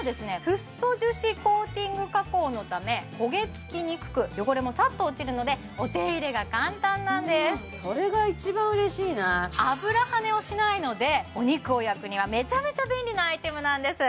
フッ素樹脂コーティング加工のため焦げつきにくく汚れもさっと落ちるのでお手入れが簡単なんですそれが一番嬉しいな油はねをしないのでお肉を焼くにはめちゃめちゃ便利なアイテムなんです